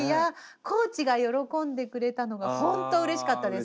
コーチが喜んでくれたのがほんとうれしかったです。